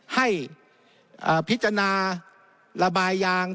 ให้พิจารณาระบายยาง